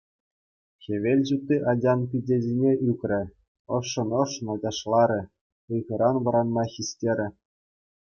Хӗвел ҫути ачан пичӗ ҫине ӳкрӗ, ӑшшӑн-ӑшшӑн ачашларӗ, ыйхӑран вӑранма хистерӗ.